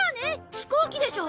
飛行機でしょ。